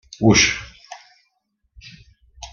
Uix!